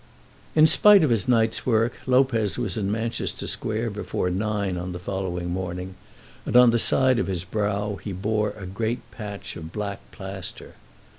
In spite of his night's work Lopez was in Manchester Square before nine on the following morning, and on the side of his brow he bore a great patch of black plaster.